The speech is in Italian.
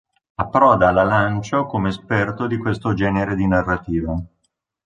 Approda alla Lancio come esperto di questo genere di narrativa.